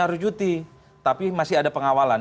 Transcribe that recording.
harus cuti tapi masih ada pengawalan